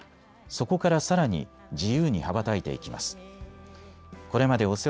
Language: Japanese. そこからさらに自由に羽ばたいていきます。